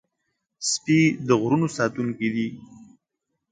سپي د غرونو ساتونکي دي.